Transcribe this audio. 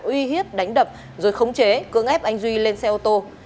uy hiếp đánh đập rồi khống chế cưỡng ép anh duy lên xe ô tô